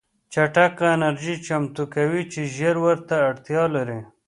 چټکه انرژي چمتو کوي چې ژر ورته اړتیا لري